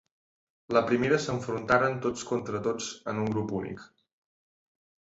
La primera s'enfrontaren tots contra tots en un grup únic.